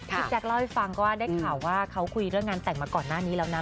แจ๊คเล่าให้ฟังก็ได้ข่าวว่าเขาคุยเรื่องงานแต่งมาก่อนหน้านี้แล้วนะ